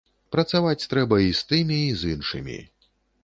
Працаваць трэба і з тымі, і з іншымі.